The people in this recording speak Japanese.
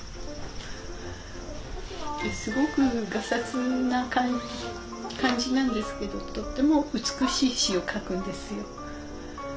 すごくがさつな感じなんですけどとっても美しい詩を書くんですよ。